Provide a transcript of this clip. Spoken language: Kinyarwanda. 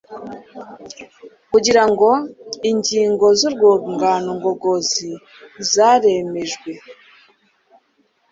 kugira ngo ingingo z’urwungano ngogozi zaremerejwe